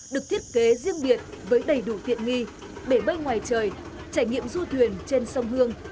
được thiết kế riêng biệt với đầy đủ tiện nghi bể bơi ngoài trời trải nghiệm du thuyền trên sông hương